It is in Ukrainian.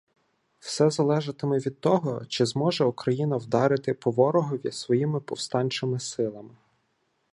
Все залежатиме від того, чи зможе Україна вдарити по ворогові своїми повстанчими силами.